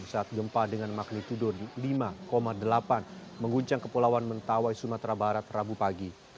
saat gempa dengan magnitudo lima delapan mengguncang kepulauan mentawai sumatera barat rabu pagi